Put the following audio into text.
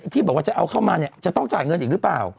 ที่บอกว่าจะเอาเข้ามาเนี่ยจะต้องจ่ายเงินอีกหรือเปล่า